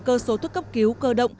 cơ số thuốc cấp cứu cơ động